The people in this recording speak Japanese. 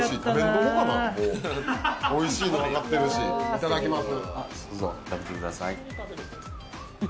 いただきます。